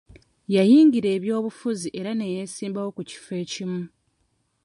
Yayingira eby'obufuzi era neyesimbawo ku kifo ekimu.